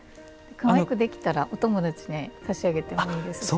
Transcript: かわいくできたらお友達に差し上げてもいいですしね。